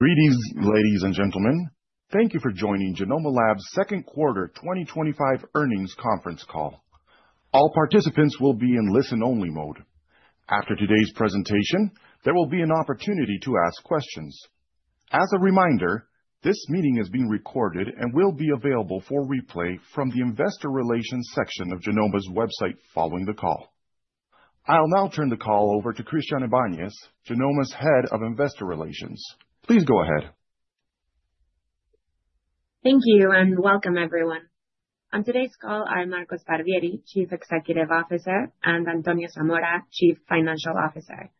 Greetings, ladies and gentlemen. Thank you for joining Genomma Lab Internacional's second quarter 2025 earnings conference call. All participants will be in listen-only mode. After today's presentation, there will be an opportunity to ask questions. As a reminder, this meeting is being recorded and will be available for replay from the Investor Relations section of Genomma Lab's website following the call. I'll now turn the call over to Christianne Ibáñez, genomma lab's head of Investor Relations. Please go ahead. Thank you and welcome, everyone. On today's call, I'm Marco Sparvieri, Chief Executive Officer, and I'm Antonio Zamora, Chief Financial Officer.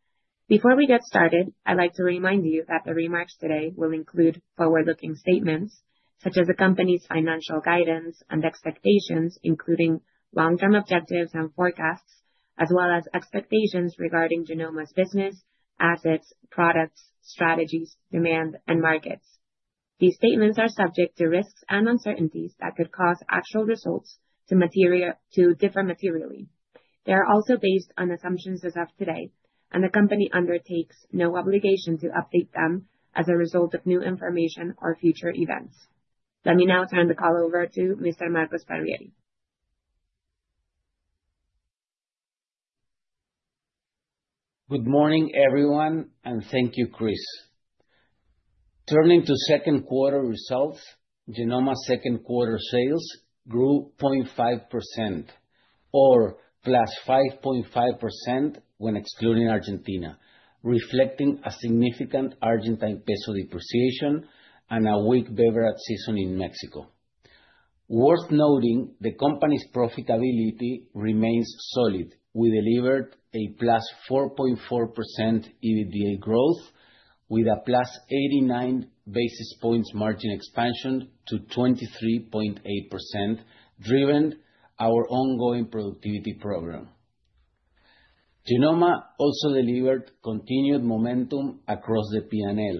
Before we get started, I'd like to remind you that the remarks today will include forward-looking statements, such as the company's financial guidance and expectations, including long-term objectives and forecasts, as well as expectations regarding Genomma Lab Internacional's business, assets, products, strategies, demand, and markets. These statements are subject to risks and uncertainties that could cause actual results to differ materially. They are also based on assumptions as of today, and the company undertakes no obligation to update them as a result of new information or future events. Let me now turn the call over to Mr. Marco Sparvieri. Good morning, everyone, and thank you, Chris. Turning to second quarter results, Genomma Lab Internacional's second quarter sales grew 0.5%, or +5.5% when excluding Argentina, reflecting a significant Argentine peso depreciation and a weak beverage season in Mexico. Worth noting, the company's profitability remains solid. We delivered a +4.4% EBITDA growth, with a +89 basis points margin expansion to 23.8%, driven by our ongoing productivity program. Genomma Lab Internacional also delivered continued momentum across the P&L,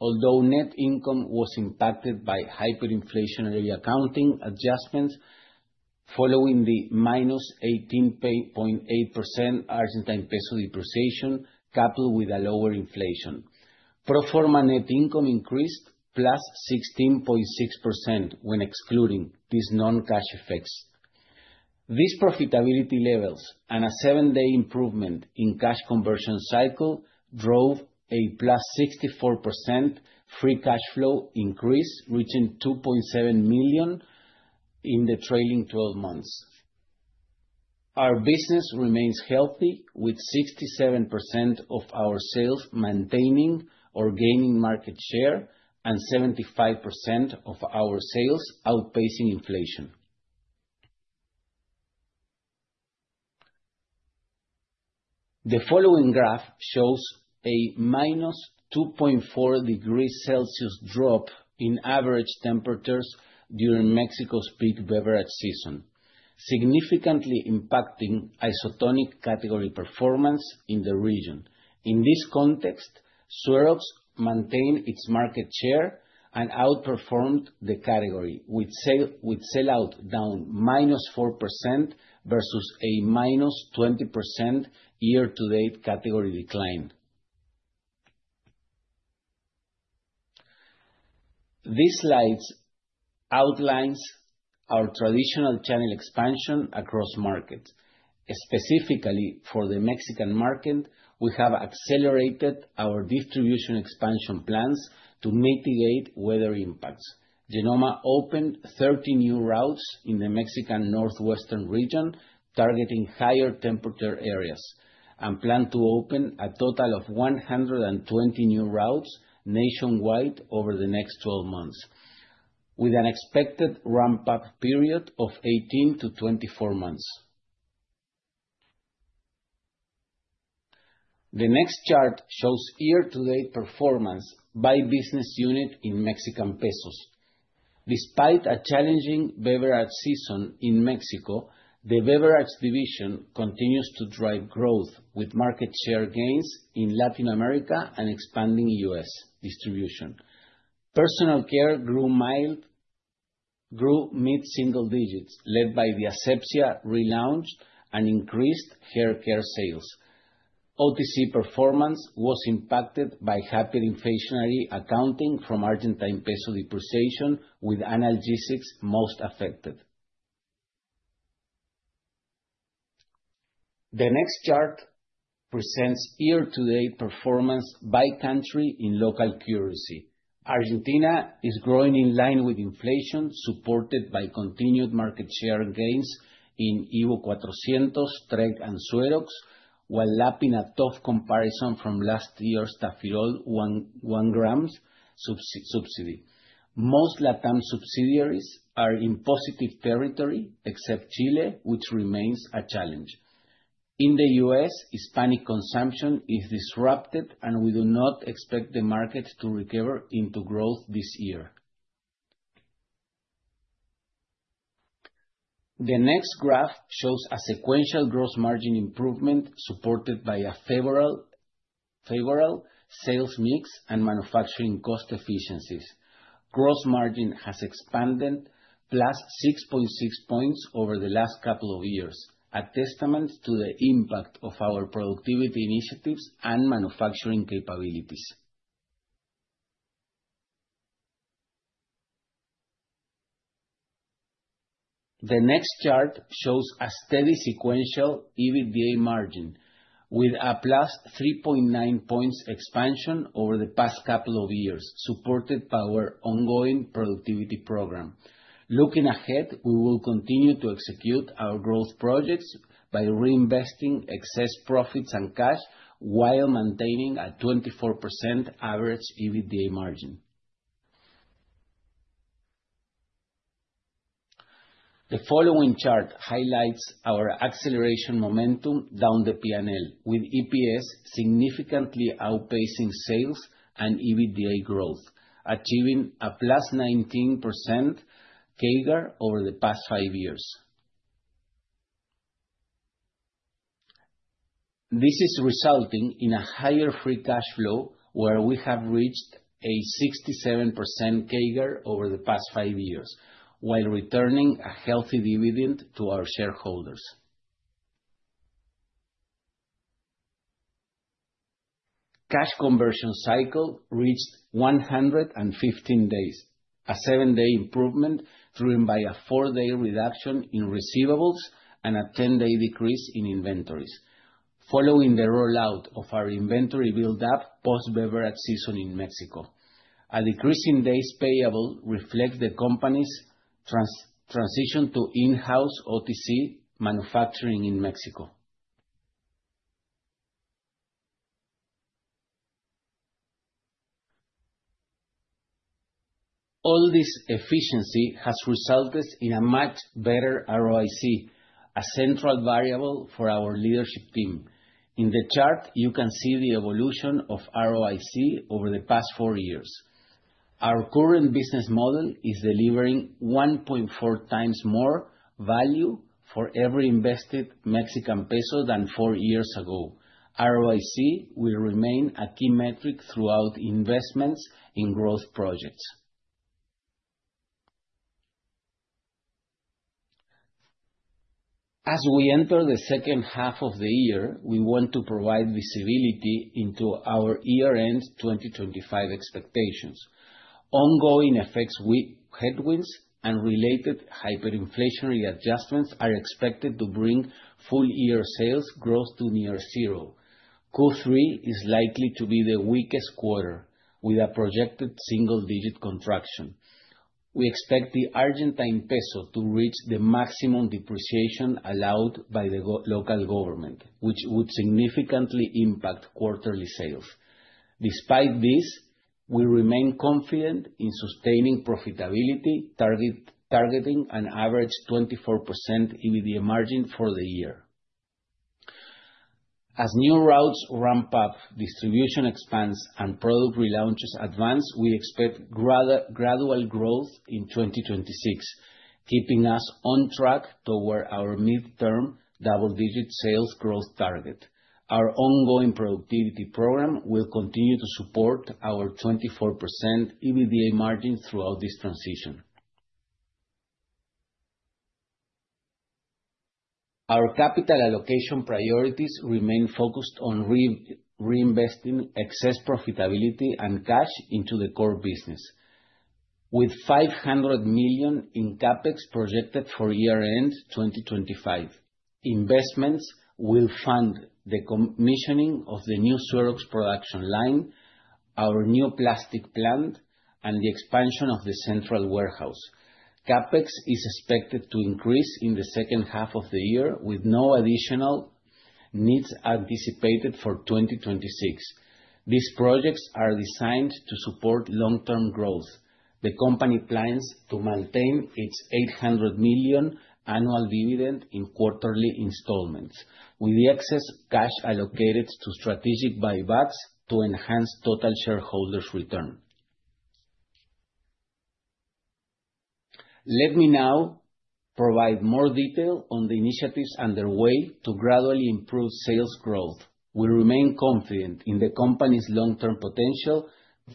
although net income was impacted by hyperinflationary accounting adjustments following the -18.8% Argentine peso depreciation, coupled with a lower inflation. Pro forma net income increased +16.6% when excluding these non-cash effects. These profitability levels and a seven-day improvement in cash conversion cycle drove a +64% free cash flow increase, reaching 2.7 million in the trailing 12 months. Our business remains healthy, with 67% of our sales maintaining or gaining market share and 75% of our sales outpacing inflation. The following graph shows a -2.4 degrees Celsius drop in average temperatures during Mexico's peak beverage season, significantly impacting isotonic category performance in the region. In this context, Sueroz maintained its market share and outperformed the category, with sell-out down -4% versus a -20% year-to-date category decline. This slide outlines our traditional channel expansion across markets. Specifically for the Mexican market, we have accelerated our distribution expansion plans to mitigate weather impacts. Genomma Lab Internacional opened 30 new routes in the Mexican Northwestern region, targeting higher temperature areas, and plan to open a total of 120 new routes nationwide over the next 12 months, with an expected ramp-up period of 18 to 24 months. The next chart shows year-to-date performance by business unit in Mexican pesos. Despite a challenging beverage season in Mexico, the beverage division continues to drive growth, with market share gains in Latin America and expanding U.S. distribution. Personal care grew mid-single digits, led by the Asepxia relaunch and increased hair care sales. OTC performance was impacted by hyperinflationary accounting from Argentine peso depreciation, with analgesics most affected. The next chart presents year-to-date performance by country in local currency. Argentina is growing in line with inflation, supported by continued market share gains in Evo 400, Strength, and Sueroz, while lapping a tough comparison from last year's Tafirol 1 gram subsidy. Most LATAM subsidiaries are in positive territory, except Chile, which remains a challenge. In the U.S., Hispanic consumption is disrupted, and we do not expect the markets to recover into growth this year. The next graph shows a sequential gross margin improvement supported by a favorable sales mix and manufacturing cost efficiencies. Gross margin has expanded plus 6.6 points over the last couple of years, a testament to the impact of our productivity initiatives and manufacturing capabilities. The next chart shows a steady sequential EBITDA margin, with a plus 3.9 points expansion over the past couple of years, supported by our ongoing productivity program. Looking ahead, we will continue to execute our growth projects by reinvesting excess profits and cash while maintaining a 24% average EBITDA margin. The following chart highlights our acceleration momentum down the P&L, with EPS significantly outpacing sales and EBITDA growth, achieving a plus 19% CAGR over the past five years. This is resulting in a higher free cash flow, where we have reached a 67% CAGR over the past five years, while returning a healthy dividend to our shareholders. Cash conversion cycle reached 115 days, a seven-day improvement driven by a four-day reduction in receivables and a 10-day decrease in inventories, following the rollout of our inventory buildup post-beverage season in Mexico. A decrease in days payable reflects the company's transition to in-house OTC manufacturing in Mexico. All this efficiency has resulted in a much better ROIC, a central variable for our leadership team. In the chart, you can see the evolution of ROIC over the past four years. Our current business model is delivering 1.4 times more value for every invested Mexican peso than four years ago. ROIC will remain a key metric throughout investments in growth projects. As we enter the second half of the year, we want to provide visibility into our year-end 2025 expectations. Ongoing effects with headwinds and related hyperinflationary adjustments are expected to bring full-year sales growth to near zero. Q3 is likely to be the weakest quarter, with a projected single-digit contraction. We expect the Argentine peso to reach the maximum depreciation allowed by the local government, which would significantly impact quarterly sales. Despite this, we remain confident in sustaining profitability, targeting an average 24% EBITDA margin for the year. As new routes ramp up, distribution expands, and product relaunches advance, we expect gradual growth in 2026, keeping us on track toward our mid-term double-digit sales growth target. Our ongoing productivity program will continue to support our 24% EBITDA margin throughout this transition. Our capital allocation priorities remain focused on reinvesting excess profitability and cash into the core business, with 500 million in CapEx projected for year-end 2025. Investments will fund the commissioning of the new Sueroz production line, our new plastics plant, and the expansion of the central warehouse. CapEx is expected to increase in the second half of the year, with no additional needs anticipated for 2026. These projects are designed to support long-term growth. The company plans to maintain its 800 million annual dividend in quarterly installments, with the excess cash allocated to strategic buybacks to enhance total shareholders' return. Let me now provide more detail on the initiatives underway to gradually improve sales growth. We remain confident in the company's long-term potential.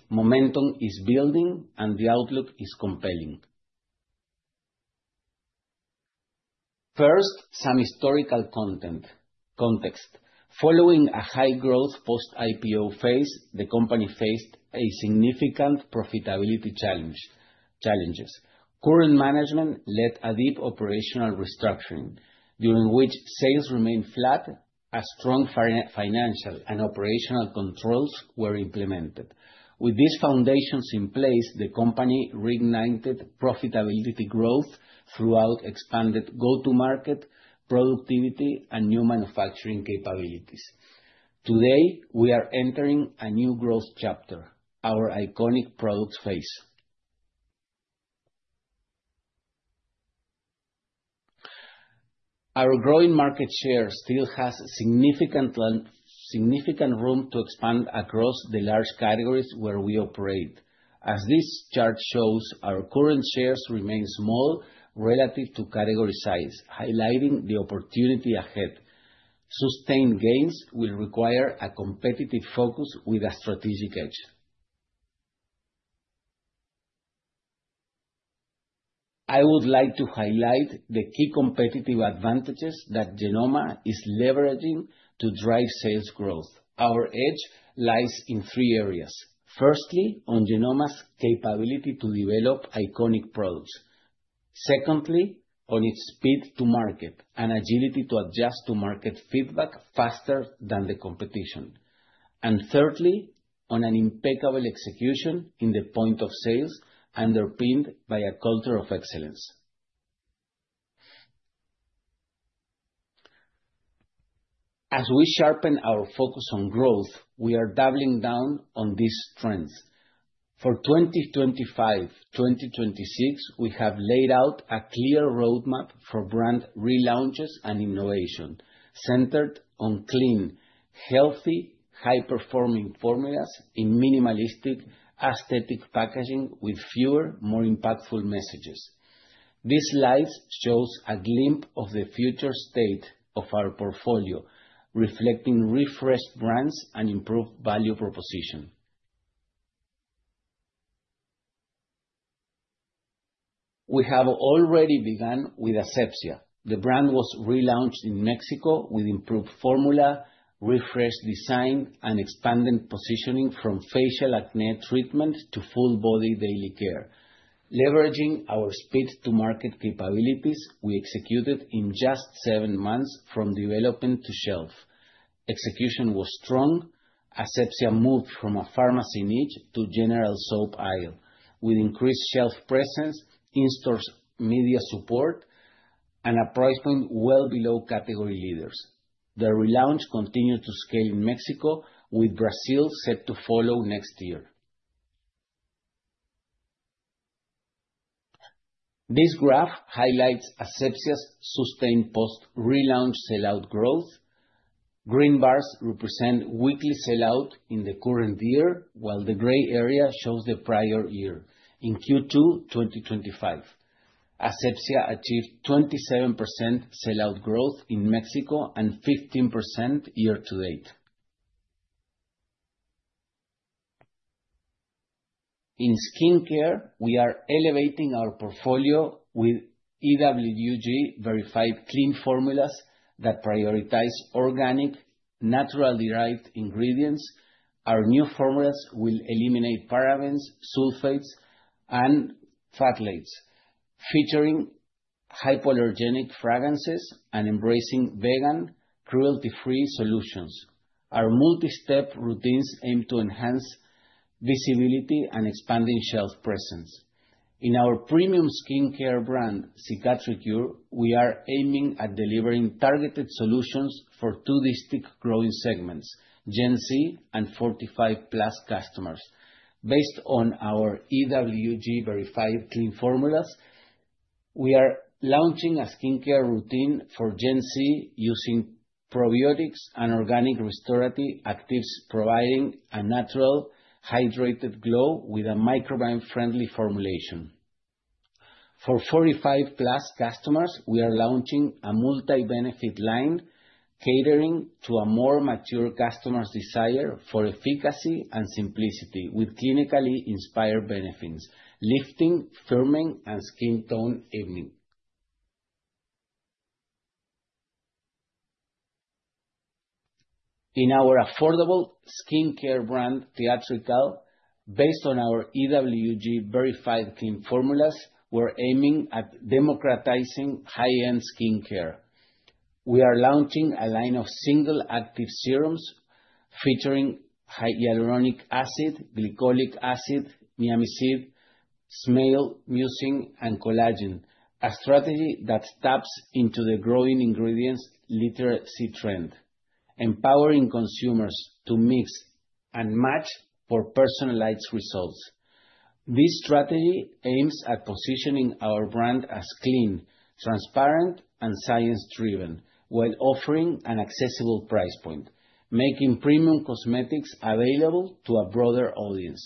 Momentum is building, and the outlook is compelling. First, some historical context. Following a high-growth post-IPO phase, the company faced significant profitability challenges. Current management led a deep operational restructuring, during which sales remained flat as strong financial and operational controls were implemented. With these foundations in place, the company reignited profitability growth throughout expanded go-to-market productivity and new manufacturing capabilities. Today, we are entering a new growth chapter, our iconic products phase. Our growing market share still has significant room to expand across the large categories where we operate. As this chart shows, our current shares remain small relative to category size, highlighting the opportunity ahead. Sustained gains will require a competitive focus with a strategic edge. I would like to highlight the key competitive advantages that Genomma Lab Internacional is leveraging to drive sales growth. Our edge lies in three areas. Firstly, on Genomma Lab Internacional's capability to develop iconic products. Secondly, on its speed to market and agility to adjust to market feedback faster than the competition. Thirdly, on an impeccable execution in the point of sales, underpinned by a culture of excellence. As we sharpen our focus on growth, we are doubling down on these trends. For 2025-2026, we have laid out a clear roadmap for brand relaunches and innovation, centered on clean, healthy, high-performing formulas in minimalistic aesthetic packaging with fewer, more impactful messages. This slide shows a glimpse of the future state of our portfolio, reflecting refreshed brands and improved value proposition. We have already begun with Asepxia. The brand was relaunched in Mexico with improved formula, refreshed design, and expanded positioning from facial acne treatments to full-body daily care. Leveraging our speed-to-market capabilities, we executed in just seven months from development to shelf. Execution was strong. Asepxia moved from a pharmacy niche to general soap aisle, with increased shelf presence, in-store media support, and a price point well below category leaders. The relaunch continued to scale in Mexico, with Brazil set to follow next year. This graph highlights Asepxia's sustained post-relaunch sell-out growth. Green bars represent weekly sell-out in the current year, while the gray area shows the prior year. In Q2 2025, Asepxia achieved 27% sell-out growth in Mexico and 15% year to date. In skincare, we are elevating our portfolio with EWG-verified clean formulas that prioritize organic, natural-derived ingredients. Our new formulas will eliminate parabens, sulfates, and fatty acids, featuring hypoallergenic fragrances and embracing vegan, cruelty-free solutions. Our multi-step routines aim to enhance visibility and expanding shelf presence. In our premium skincare brand, Cicatricure, we are aiming at delivering targeted solutions for two distinct growing segments: Gen Z and 45-plus customers. Based on our EWG-verified clean formulas, we are launching a skincare routine for Gen Z using probiotics and organic restorative activities, providing a natural, hydrated glow with a microbiome-friendly formulation. For 45-plus customers, we are launching a multi-benefit line, catering to a more mature customer's desire for efficacy and simplicity, with clinically inspired benefits, lifting, firming, and skin tone evening. In our affordable skincare brand, Theatrical, based on our EWG-verified clean formulas, we're aiming at democratizing high-end skincare. We are launching a line of single-active serums featuring hyaluronic acid, glycolic acid, niacinamide, snail mucin, and collagen, a strategy that taps into the growing ingredients literacy trend, empowering consumers to mix and match for personalized results. This strategy aims at positioning our brand as clean, transparent, and science-driven, while offering an accessible price point, making premium cosmetics available to a broader audience.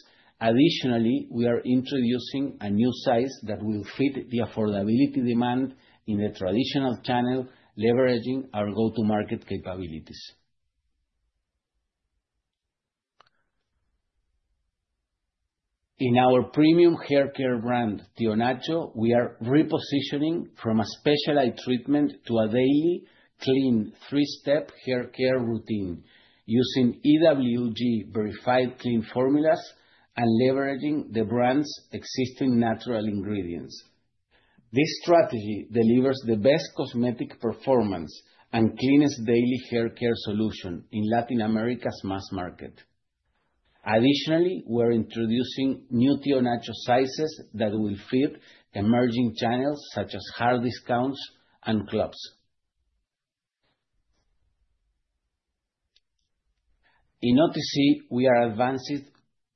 Additionally, we are introducing a new size that will fit the affordability demand in the traditional channel, leveraging our go-to-market capabilities. In our premium hair care brand, Tío Nacho, we are repositioning from a specialized treatment to a daily clean, three-step hair care routine, using EWG-verified clean formulas and leveraging the brand's existing natural ingredients. This strategy delivers the best cosmetic performance and cleanest daily hair care solution in Latin America's mass market. Additionally, we're introducing new Tío Nacho sizes that will fit emerging channels such as hard discounts and clubs. In OTC, we are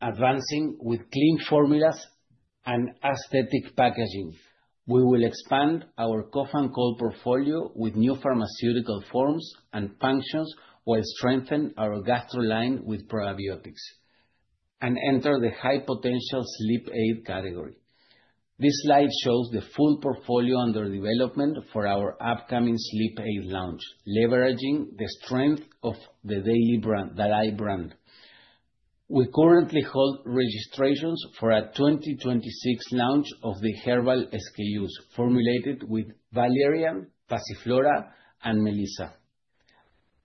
advancing with clean formulas and aesthetic packaging. We will expand our cough and cold portfolio with new pharmaceutical forms and functions, while strengthening our gastro line with probiotics, and enter the high-potential sleep aid category. This slide shows the full portfolio under development for our upcoming sleep aid launch, leveraging the strength of the Dalai brand. We currently hold registrations for a 2026 launch of the herbal SKUs formulated with valerian, passiflora, and melissa.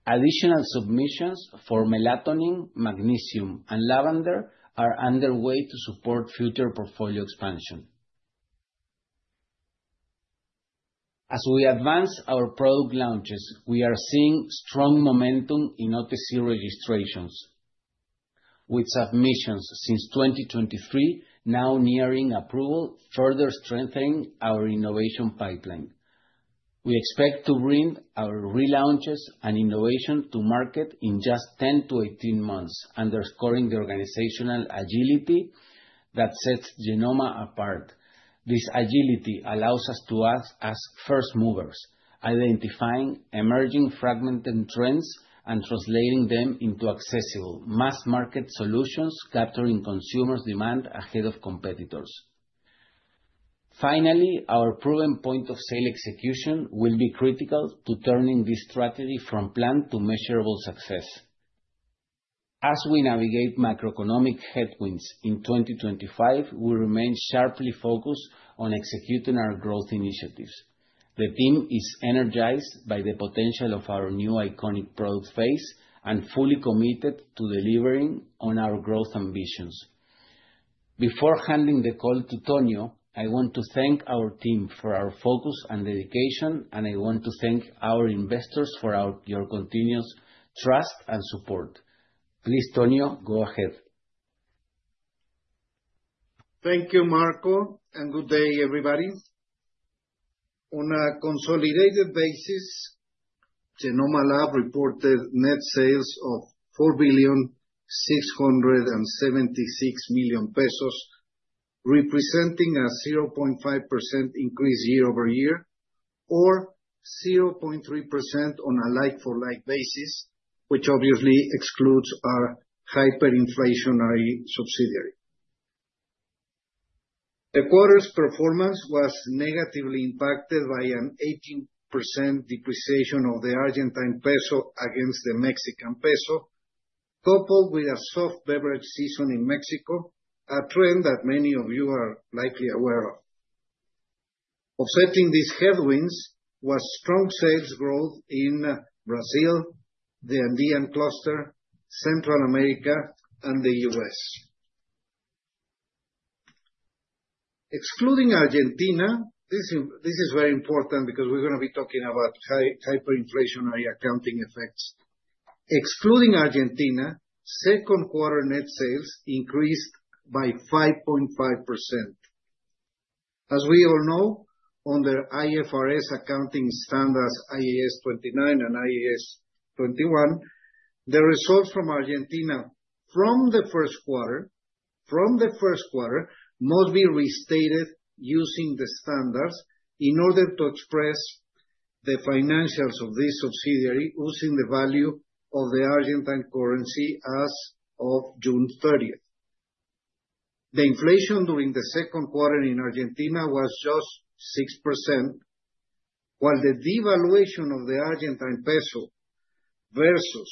Additional submissions for melatonin, magnesium, and lavender are underway to support future portfolio expansion. As we advance our product launches, we are seeing strong momentum in OTC registrations, with submissions since 2023 now nearing approval, further strengthening our innovation pipeline. We expect to bring our relaunches and innovation to market in just 10 to 18 months, underscoring the organizational agility that sets Genomma Lab Internacional apart. This agility allows us to act as first movers, identifying emerging fragmented trends and translating them into accessible, mass-market solutions, capturing consumers' demand ahead of competitors. Finally, our proven point of sale execution will be critical to turning this strategy from planned to measurable success. As we navigate microeconomic headwinds in 2025, we remain sharply focused on executing our growth initiatives. The team is energized by the potential of our new iconic products phase and fully committed to delivering on our growth ambitions. Before handing the call to Tonio, I want to thank our team for our focus and dedication, and I want to thank our investors for your continuous trust and support. Please, Tonio, go ahead. Thank you, Marco, and good day, everybody. On a consolidated basis, Genomma Lab Internacional reported net sales of 4.676 billion pesos, representing a 0.5% increase year-over-year, or 0.3% on a like-for-like basis, which obviously excludes our hyperinflationary subsidiary. The quarter's performance was negatively impacted by an 18% depreciation of the Argentine peso against the Mexican peso, coupled with a soft beverage season in Mexico, a trend that many of you are likely aware of. Affecting these headwinds was strong sales growth in Brazil, the Andean cluster, Central America, and the U.S. Excluding Argentina, this is very important because we're going to be talking about hyperinflationary accounting effects. Excluding Argentina, second quarter net sales increased by 5.5%. As we all know, under IFRS accounting standards, IAS 29 and IAS 21, the results from Argentina from the first quarter must be restated using the standards in order to express the financials of this subsidiary using the value of the Argentine currency as of June 30, 2023. The inflation during the second quarter in Argentina was just 6%, while the devaluation of the Argentine peso versus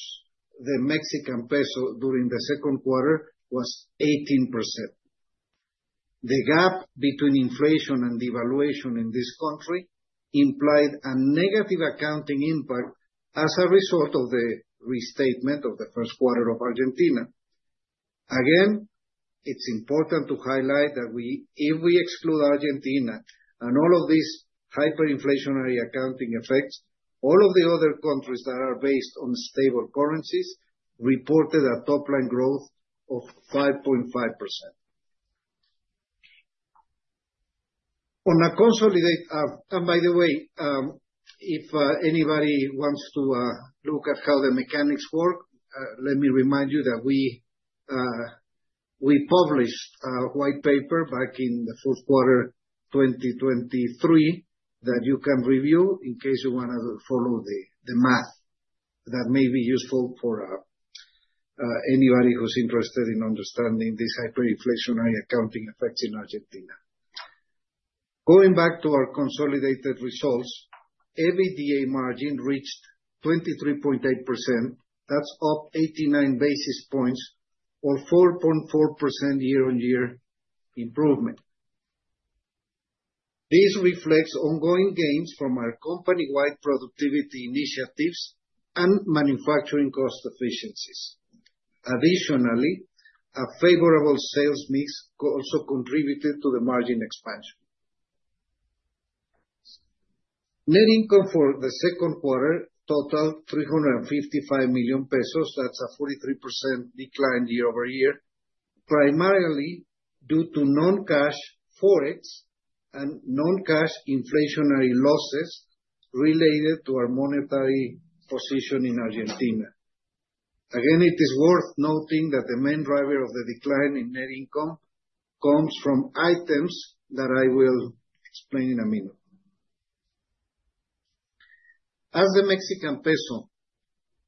the Mexican peso during the second quarter was 18%. The gap between inflation and devaluation in this country implied a negative accounting impact as a result of the restatement of the first quarter of Argentina. Again, it's important to highlight that if we exclude Argentina and all of these hyperinflationary accounting effects, all of the other countries that are based on stable currencies reported a top-line growth of 5.5%. On a consolidated, and by the way, if anybody wants to look at how the mechanics work, let me remind you that we published a white paper back in the first quarter of 2023 that you can review in case you want to follow the math that may be useful for anybody who's interested in understanding this hyperinflationary accounting effect in Argentina. Going back to our consolidated results, EBITDA margin reached 23.8%. That's up 89 basis points or 4.4% year-on-year improvement. This reflects ongoing gains from our company-wide productivity initiatives and manufacturing cost efficiencies. Additionally, a favorable sales mix also contributed to the margin expansion. Net income for the second quarter totaled 355 million pesos. That's a 43% decline year over year, primarily due to non-cash forex and non-cash inflationary losses related to our monetary position in Argentina. Again, it is worth noting that the main driver of the decline in net income comes from items that I will explain in a minute. As the Mexican peso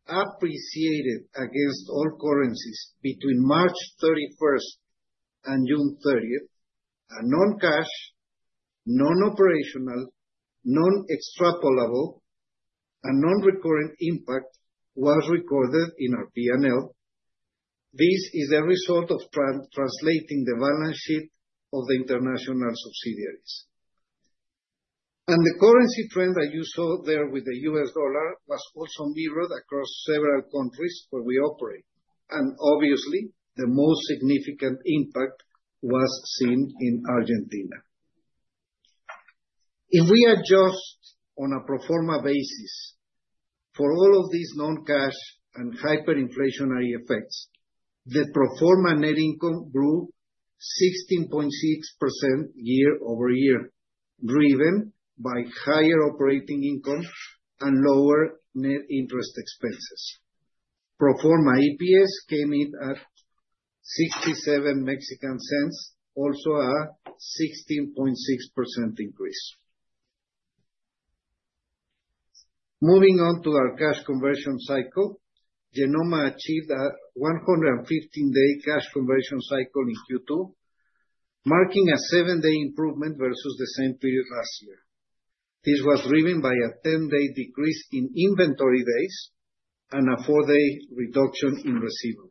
appreciated against all currencies between March 31 and June 30, a non-cash, non-operational, non-extrapolable, and non-recurrent impact was recorded in our P&L. This is the result of translating the balance sheet of the international subsidiaries. The currency trend that you saw there with the U.S. dollar was also mirrored across several countries where we operate. Obviously, the most significant impact was seen in Argentina. If we adjust on a pro forma basis for all of these non-cash and hyperinflationary effects, the pro forma net income grew 16.6% year over year, driven by higher operating income and lower net interest expenses. Pro forma EPS came in at 0.67 Mexican, also a 16.6% increase. Moving on to our cash conversion cycle, Genomma Lab Internacional achieved a 115-day cash conversion cycle in Q2, marking a seven-day improvement versus the same period last year. This was driven by a 10-day decrease in inventory days and a four-day reduction in residual.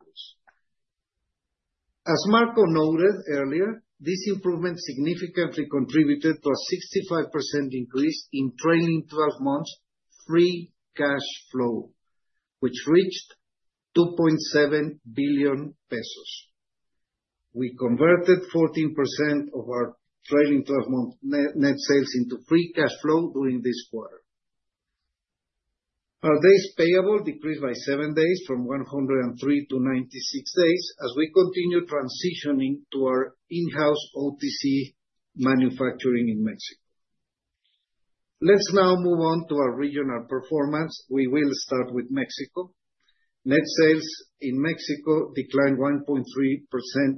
As Marco noted earlier, this improvement significantly contributed to a 65% increase in trailing 12 months free cash flow, which reached 2.7 billion pesos. We converted 14% of our trailing 12-month net sales into free cash flow during this quarter. Our days payable decreased by seven days from 103 to 96 days as we continue transitioning to our in-house OTC manufacturing in Mexico. Let's now move on to our regional performance. We will start with Mexico. Net sales in Mexico declined 1.3%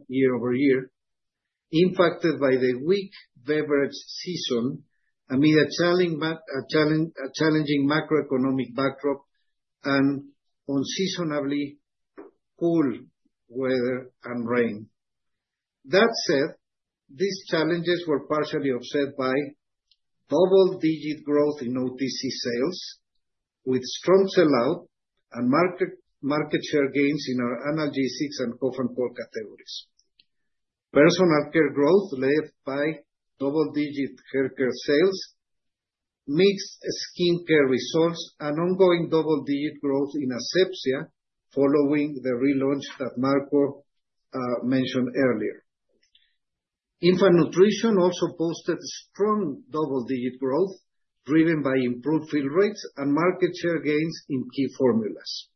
year over year, impacted by the weak beverage season amid a challenging macroeconomic backdrop and unseasonably cool weather and rain. That said, these challenges were partially offset by double-digit growth in OTC sales, with strong sell-out and market share gains in our analgesics and cough and cold categories. Personal care growth was led by double-digit hair care sales, mixed skincare results, and ongoing double-digit growth in Asepxia following the relaunch that Marco mentioned earlier. Infant nutrition also boosted strong double-digit growth, driven by improved fill rates and market share gains in key formulas.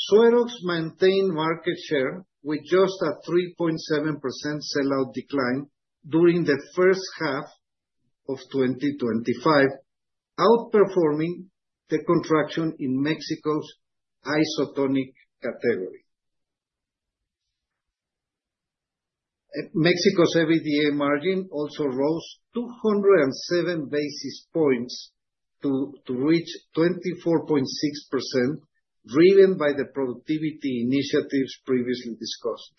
Sueroz maintained market share with just a 3.7% sell-out decline during the first half of 2025, outperforming the contraction in Mexico's isotonic category. Mexico's EBITDA margin also rose 207 basis points to reach 24.6%, driven by the productivity initiatives previously discussed.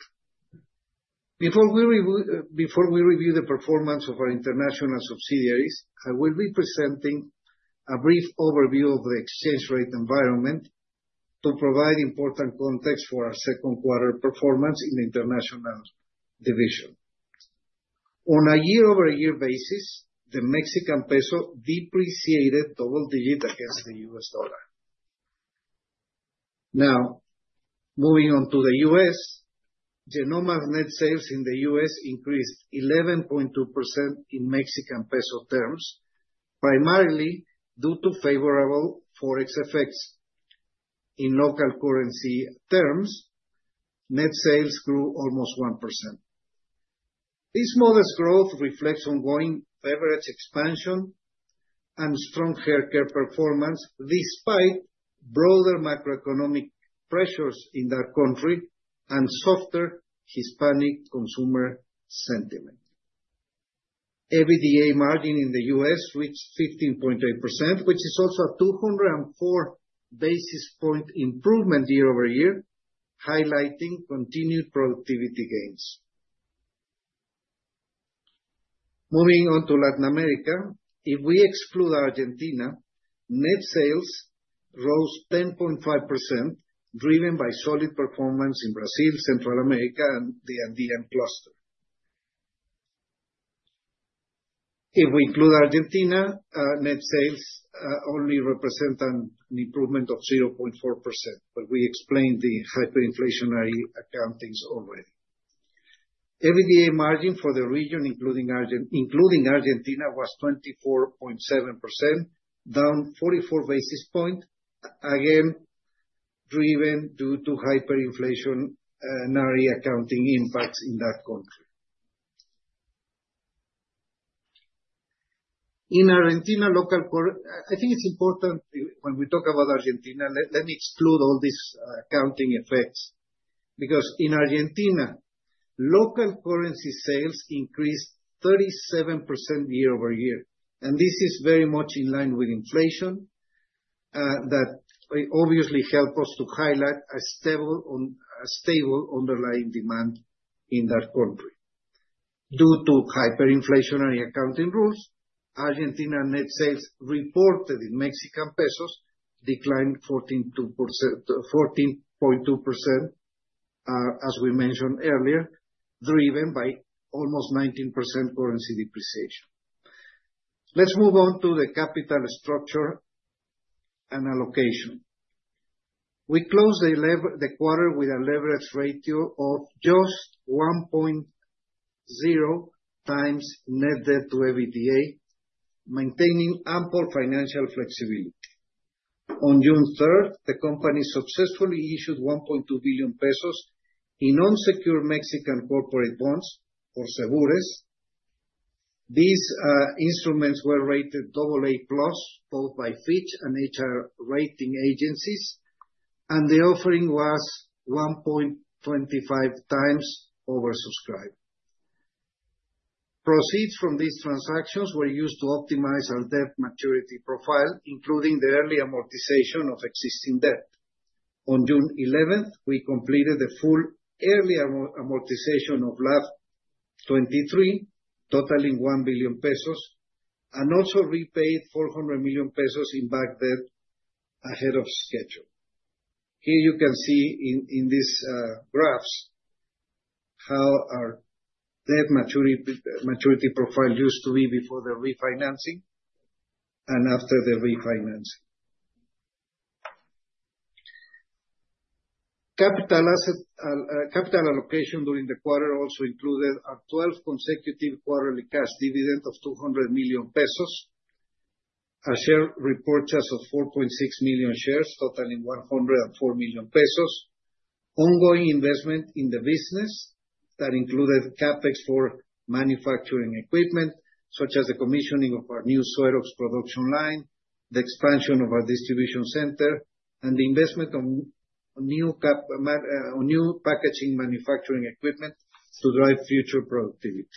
Before we review the performance of our international subsidiaries, I will be presenting a brief overview of the exchange rate environment to provide important context for our second quarter performance in the international division. On a year-over-year basis, the Mexican peso depreciated double digits against the U.S. dollar. Now, moving on to the U.S., Genomma Lab net sales in the U.S. increased 11.2% in Mexican peso terms, primarily due to favorable forex effects. In local currency terms, net sales grew almost 1%. This modest growth reflects ongoing beverage expansion and strong hair care performance despite broader macroeconomic pressures in that country and softer Hispanic consumer sentiment. EBITDA margin in the U.S. reached 15.8%, which is also a 204 basis point improvement year over year, highlighting continued productivity gains. Moving on to Latin America, if we exclude Argentina, net sales rose 10.5%, driven by solid performance in Brazil, Central America, and the Andean cluster. If we include Argentina, net sales only represent an improvement of 0.4%, but we explained the hyperinflationary accountings already. EBITDA margin for the region, including Argentina, was 24.7%, down 44 basis points, again driven due to hyperinflationary accounting impacts in that country. In Argentina, I think it's important when we talk about Argentina, let me exclude all these accounting effects because in Argentina, local currency sales increased 37% year over year. This is very much in line with inflation that obviously helps us to highlight a stable underlying demand in that country. Due to hyperinflationary accounting rules, Argentina net sales reported in Mexican pesos declined 14.2%, as we mentioned earlier, driven by almost 19% currency depreciation. Let's move on to the capital structure and allocation. We closed the quarter with a leverage ratio of just 1.0 times net debt to EBITDA, maintaining ample financial flexibility. On June 3, the company successfully issued 1.2 billion pesos in non-secure Mexican corporate bonds or seguros. These instruments were rated AA+, both by Fitch Ratings and HR Ratings agencies, and the offering was 1.25 times oversubscribed. Proceeds from these transactions were used to optimize our debt maturity profile, including the early amortization of existing debt. On June 11th, we completed the full early amortization of LAB 23, totaling 1 billion pesos, and also repaid 400 million pesos in bank debt ahead of schedule. Here you can see in these graphs how our debt maturity profile used to be before the refinancing and after the refinancing. Capital allocation during the quarter also included a 12-consecutive quarterly cash dividend of 200 million pesos, a share purchase of 4.6 million shares, totaling 104 million pesos, ongoing investment in the business that included CapEx for manufacturing equipment, such as the commissioning of our new Sueroz production line, the expansion of our distribution center, and the investment in new packaging manufacturing equipment to drive future productivity.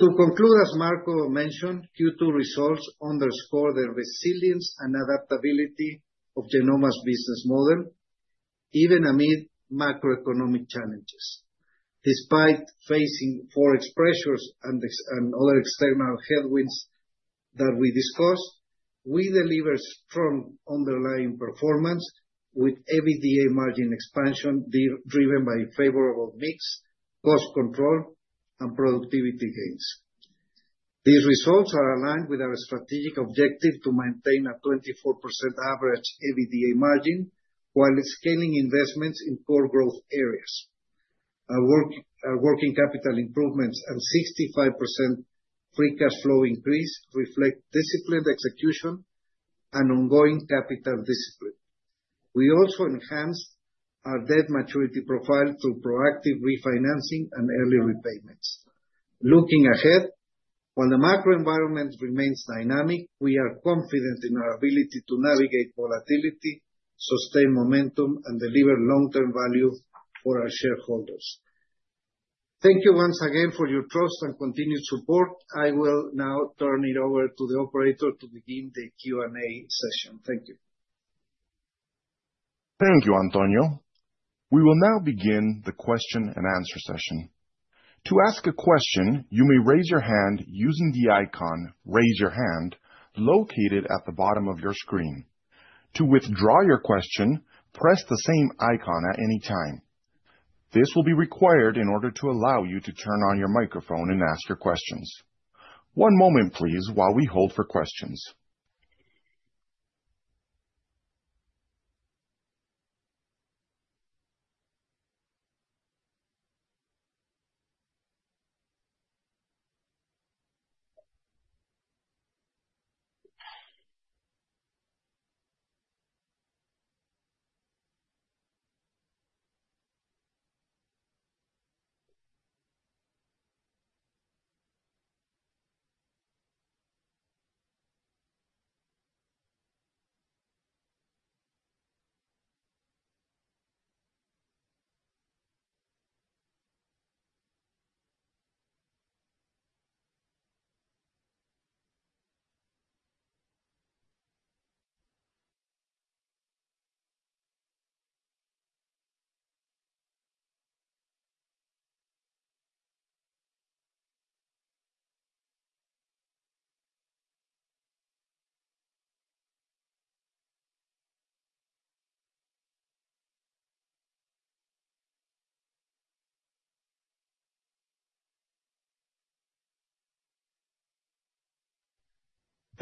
To conclude, as Marco mentioned, Q2 results underscore the resilience and adaptability of Genomma Lab Internacional's business model, even amid macroeconomic challenges. Despite facing forex pressures and other external headwinds that we discussed, we delivered strong underlying performance with EBITDA margin expansion driven by a favorable mix, cost control, and productivity gains. These results are aligned with our strategic objective to maintain a 24% average EBITDA margin while scaling investments in core growth areas. Our working capital improvements and 65% free cash flow increase reflect disciplined execution and ongoing capital discipline. We also enhanced our debt maturity profile through proactive refinancing and early repayments. Looking ahead, while the macro environment remains dynamic, we are confident in our ability to navigate volatility, sustain momentum, and deliver long-term value for our shareholders. Thank you once again for your trust and continued support. I will now turn it over to the operator to begin the Q&A session. Thank you. Thank you, Antonio. We will now begin the question and answer session. To ask a question, you may raise your hand using the icon "Raise Your Hand" located at the bottom of your screen. To withdraw your question, press the same icon at any time. This will be required in order to allow you to turn on your microphone and ask your questions. One moment please while we hold for questions.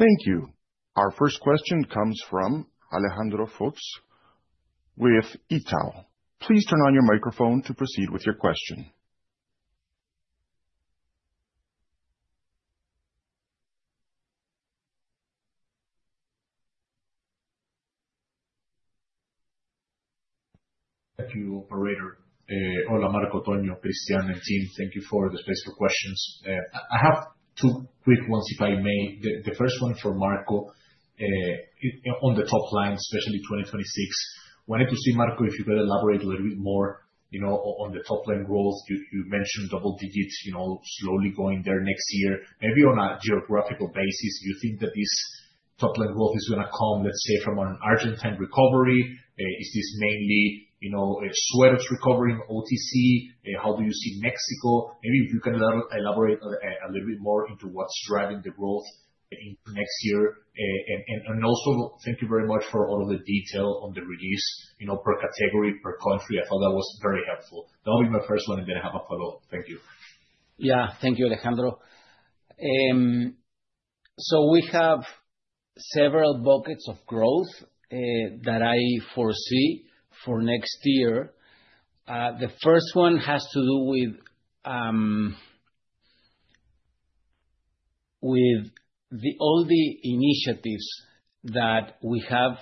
Thank you. Our first question comes from Alejandro Fox with Itaú. Please turn on your microphone to proceed with your question. Thank you, operator. Hola, Marco, Tonio, Christianne, and Jean. Thank you for the special questions. I have two quick ones, if I may. The first one for Marco, on the top line, especially 2026. Wanted to see, Marco, if you could elaborate a little bit more, you know, on the top-line goals. You mentioned double digits, you know, slowly going there next year. Maybe on a geographical basis, do you think that this top-line growth is going to come, let's say, from an Argentine recovery? Is this mainly, you know, a Sueroz recovery in OTC? How do you see Mexico? Maybe if you can elaborate a little bit more into what's driving the growth in next year. Also, thank you very much for all of the detail on the release, you know, per category, per country. I thought that was very helpful. That will be my first one, and then I have a follow-up. Thank you. Yeah, thank you, Alejandro. We have several buckets of growth that I foresee for next year. The first one has to do with all the initiatives that we have,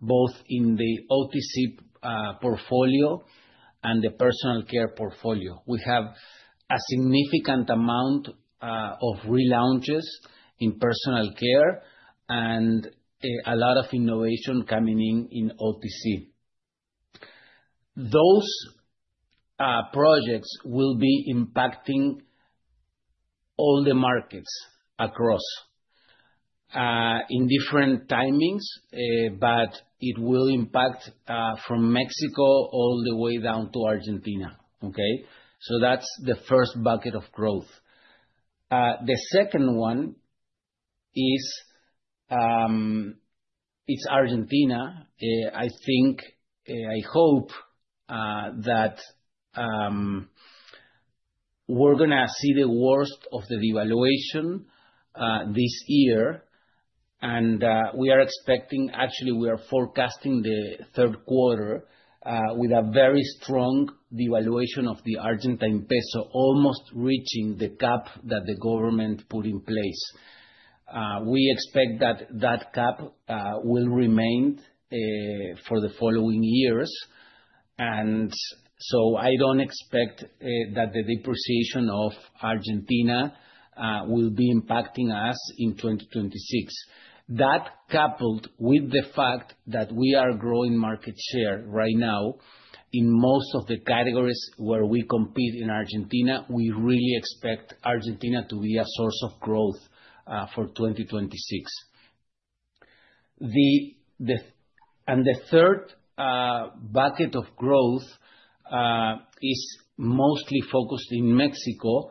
both in the OTC portfolio and the personal care portfolio. We have a significant amount of relaunches in personal care and a lot of innovation coming in in OTC. Those projects will be impacting all the markets across in different timings, but it will impact from Mexico all the way down to Argentina. That's the first bucket of growth. The second one is Argentina. I think, I hope that we're going to see the worst of the devaluation this year. We are expecting, actually, we are forecasting the third quarter with a very strong devaluation of the Argentine peso, almost reaching the cap that the government put in place. We expect that that cap will remain for the following years. I don't expect that the depreciation of Argentina will be impacting us in 2026. That, coupled with the fact that we are growing market share right now in most of the categories where we compete in Argentina, we really expect Argentina to be a source of growth for 2026. The third bucket of growth is mostly focused in Mexico,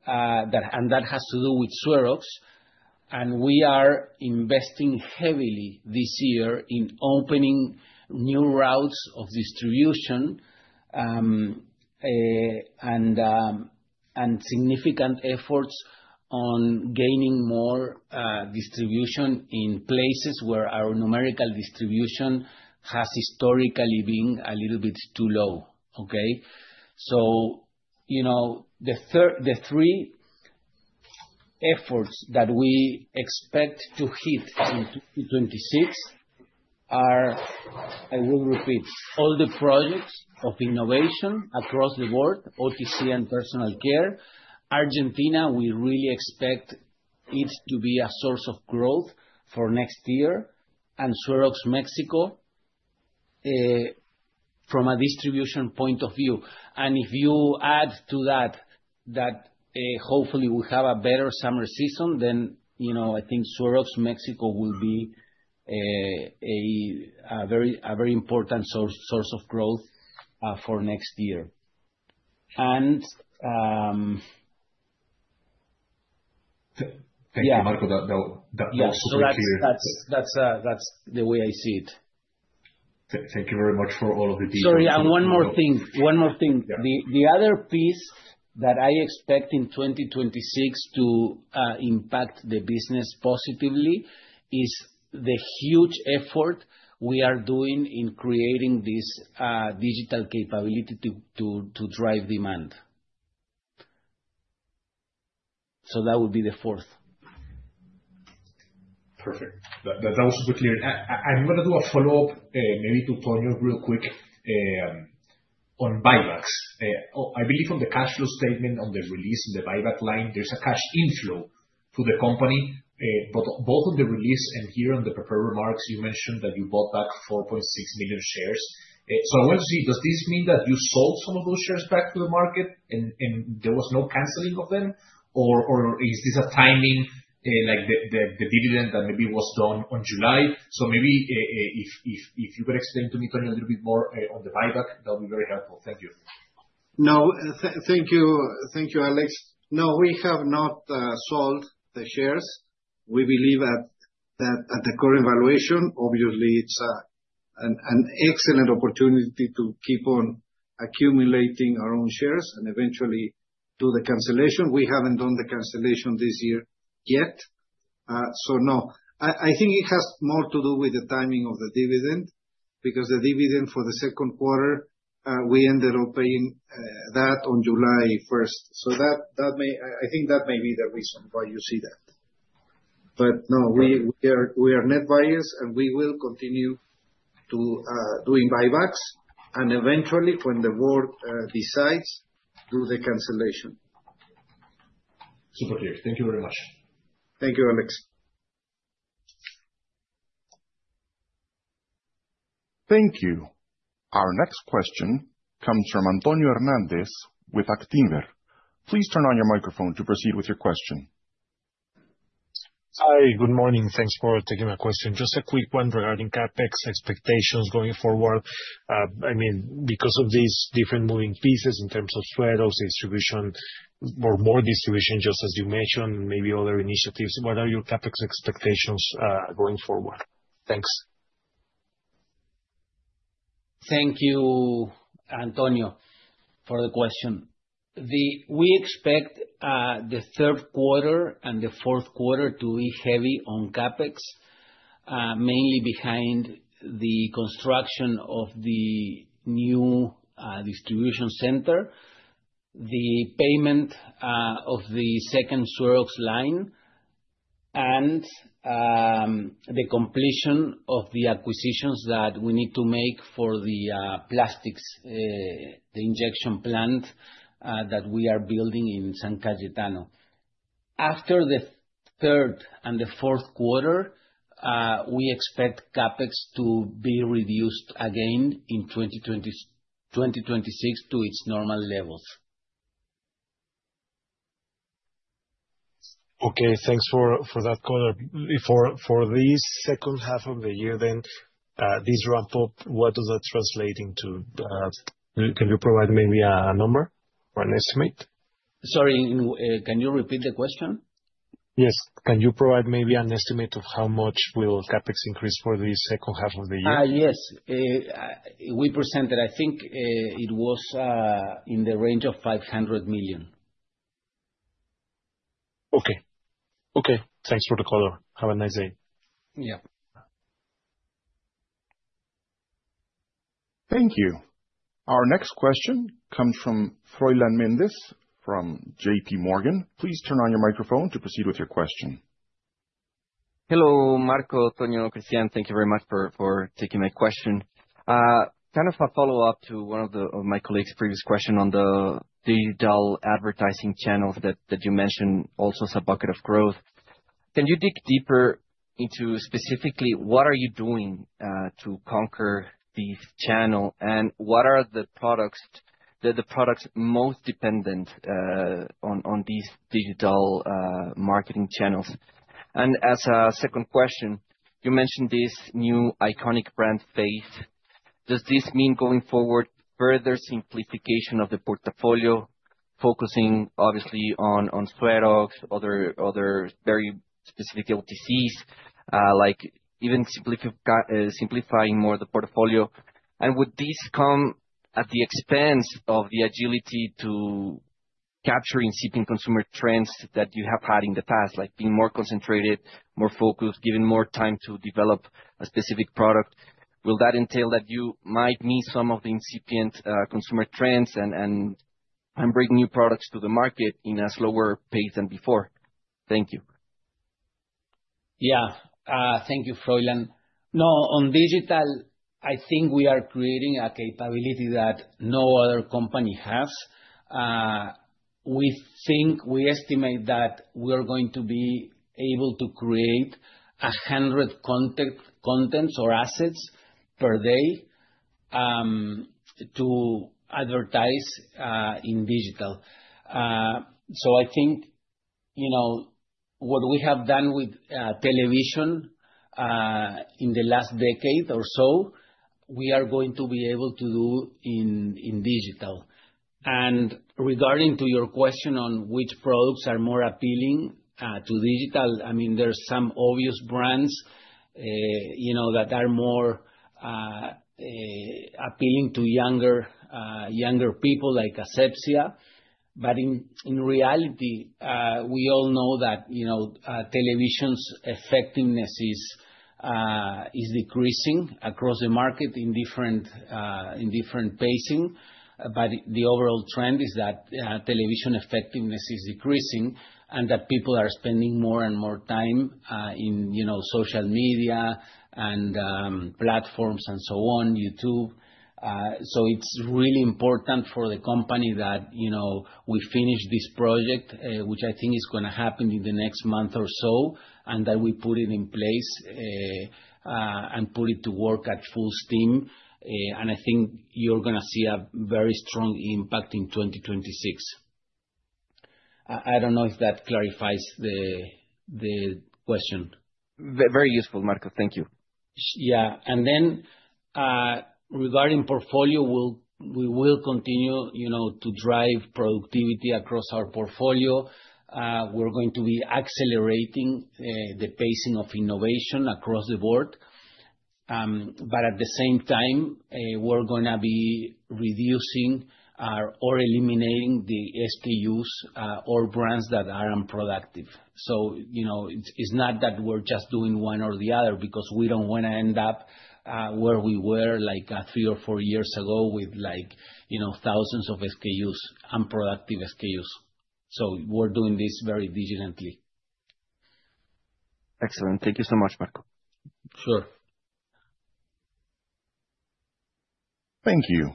and that has to do with Sueroz. We are investing heavily this year in opening new routes of distribution and significant efforts on gaining more distribution in places where our numerical distribution has historically been a little bit too low. The three efforts that we expect to hit in 2026 are, I will repeat, all the projects of innovation across the board, OTC and personal care. Argentina, we really expect it to be a source of growth for next year, and Sueroz Mexico from a distribution point of view. If you add to that, that hopefully we have a better summer season, then I think Sueroz Mexico will be a very important source of growth for next year. Yeah, Marco, that's the way I see it. Thank you very much for all of the details. Sorry, one more thing. The other piece that I expect in 2026 to impact the business positively is the huge effort we are doing in creating this digital capability to drive demand. That would be the fourth. Perfect. That was super clear. I'm going to do a follow-up, maybe to Tonio real quick, on buybacks. I believe on the cash flow statement on the release in the buyback line, there's a cash inflow to the company. Both on the release and here on the prepared remarks, you mentioned that you bought back 4.6 million shares. I wanted to see, does this mean that you sold some of those shares back to the market and there was no canceling of them? Is this a timing, like the dividend that maybe was drawn on July? If you could extend to me a little bit more on the buyback, that would be very helpful. Thank you. No, thank you. Thank you, Alex. No, we have not sold the shares. We believe that at the current valuation, obviously, it's an excellent opportunity to keep on accumulating our own shares and eventually do the cancellation. We haven't done the cancellation this year yet. I think it has more to do with the timing of the dividend because the dividend for the second quarter, we ended up paying that on July 1st. That may be the reason why you see that. No, we are net biased and we will continue doing buybacks. Eventually, when the board decides, do the cancellation. Super clear. Thank you very much. Thank you, Alex. Thank you. Our next question comes from Antonio Hernández with Actinver. Please turn on your microphone to proceed with your question. Hi, good morning. Thanks for taking my question. Just a quick one regarding CapEx expectations going forward. I mean, because of these different moving pieces in terms of Sueroz distribution or more distribution, just as you mentioned, maybe other initiatives, what are your CapEx expectations going forward? Thanks. Thank you, Antonio, for the question. We expect the third quarter and the fourth quarter to be heavy on CapEx, mainly behind the construction of the new distribution center, the payment of the second Sueroz line, and the completion of the acquisitions that we need to make for the plastics, the injection plant that we are building in San Cayetano. After the third and the fourth quarter, we expect CapEx to be reduced again in 2026 to its normal levels. Okay, thanks for that caller. For this second half of the year, this ramp-up, what does that translate into? Can you provide maybe a number or an estimate? Sorry, can you repeat the question? Yes. Can you provide maybe an estimate of how much will CapEx increase for the second half of the year? Yes, we presented, I think it was in the range of 500 million. Okay. Thanks for the call. Have a nice day. Yeah. Thank you. Our next question comes from Froilán Méndez from J.P. Morgan. Please turn on your microphone to proceed with your question. Hello, Marco, Tonio, Christianne. Thank you very much for taking my question. Kind of a follow-up to one of my colleagues' previous questions on the digital advertising channels that you mentioned also as a bucket of growth. Can you dig deeper into specifically what are you doing to conquer this channel and what are the products that are the products most dependent on these digital marketing channels? As a second question, you mentioned this new iconic brand Faith. Does this mean going forward further simplification of the portfolio, focusing obviously on Sueroz, other very specific OTCs, like even simplifying more of the portfolio? Would this come at the expense of the agility to capture incipient consumer trends that you have had in the past, like being more concentrated, more focused, giving more time to develop a specific product? Will that entail that you might need some of the incipient consumer trends and bring new products to the market in a slower pace than before? Thank you. Thank you, Froilán. On digital, I think we are creating a capability that no other company has. We think we estimate that we are going to be able to create 100 contents or assets per day to advertise in digital. I think what we have done with television in the last decade or so, we are going to be able to do in digital. Regarding your question on which products are more appealing to digital, there are some obvious brands that are more appealing to younger people, like Asepxia. In reality, we all know that television's effectiveness is decreasing across the market in different pacing. The overall trend is that television effectiveness is decreasing and that people are spending more and more time in social media and platforms and YouTube. It is really important for the company that we finish this project, which I think is going to happen in the next month or so, and that we put it in place and put it to work at full steam. I think you are going to see a very strong impact in 2026. I do not know if that clarifies the question. Very useful, Marco. Thank you. Yeah. Regarding portfolio, we will continue to drive productivity across our portfolio. We're going to be accelerating the pacing of innovation across the board. At the same time, we're going to be reducing or eliminating the SKUs or brands that are unproductive. It's not that we're just doing one or the other because we don't want to end up where we were like three or four years ago with, you know, thousands of SKUs, unproductive SKUs. We're doing this very vigilantly. Excellent. Thank you so much, Marco. Sure. Thank you.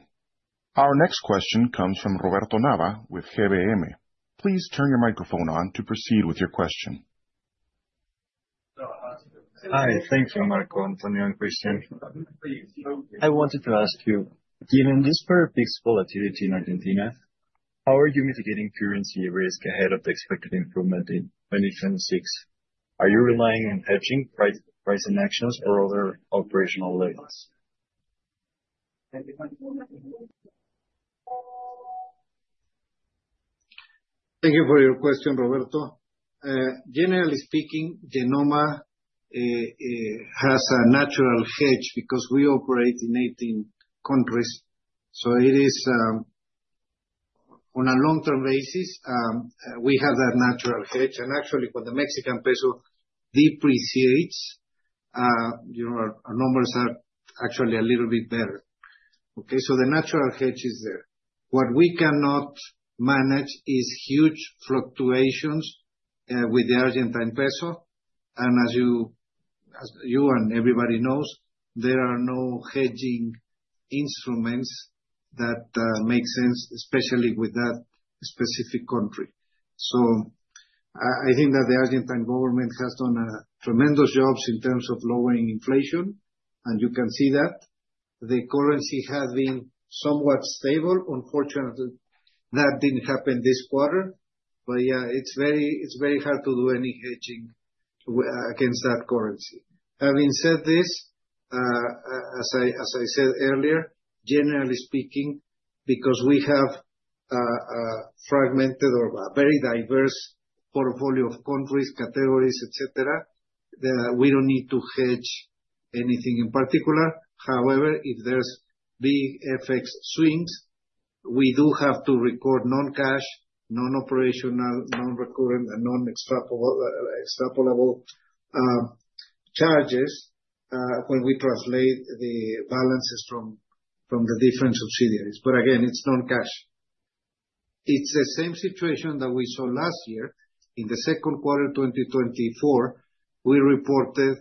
Our next question comes from Roberto Nava with GBM. Please turn your microphone on to proceed with your question. Hi. Thank you, Marco, Antonio, and Christianne. I wanted to ask you, given this very peaceful activity in Argentina, how are you mitigating currency risk ahead of the expected improvement in 2026? Are you relying on hedging, price, and actions for other operational layers? Thank you for your question, Roberto. Generally speaking, Genomma has a natural hedge because we operate in 18 countries. It is on a long-term basis, we have that natural hedge. Actually, when the Mexican peso depreciates, our numbers are actually a little bit better. The natural hedge is there. What we cannot manage is huge fluctuations with the Argentine peso. As you and everybody knows, there are no hedging instruments that make sense, especially with that specific country. I think that the Argentine government has done a tremendous job in terms of lowering inflation. You can see that the currency has been somewhat stable. Unfortunately, that didn't happen this quarter. It is very hard to do any hedging against that currency. Having said this, as I said earlier, generally speaking, because we have a fragmented or a very diverse portfolio of countries, categories, etc., we don't need to hedge anything in particular. However, if there's big FX swings, we do have to record non-cash, non-operational, non-recurrent, and non-extrapolable charges when we translate the balances from the different subsidiaries. Again, it's non-cash. It's the same situation that we saw last year. In the second quarter of 2024, we reported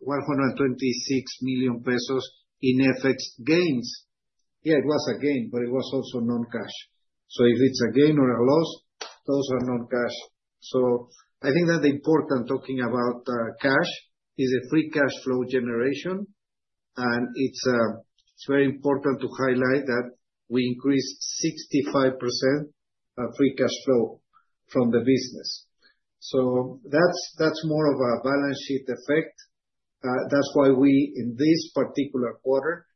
126 million pesos in FX gains. It was a gain, but it was also non-cash. If it's a gain or a loss, those are non-cash. I think that the important thing about cash is the free cash flow generation. It's very important to highlight that we increased 65% of free cash flow from the business. That's more of a balance sheet effect. That's why we, in this particular quarter,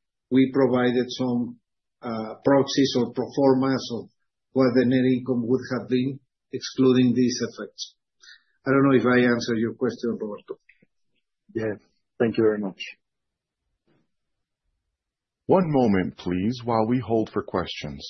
provided some proxies or pro forma on what the net income would have been, excluding these effects. I don't know if I answered your question, Roberto. Yeah, thank you very much. One moment, please, while we hold for questions.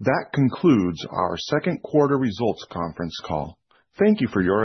That concludes our second quarter results conference call. Thank you for your attention.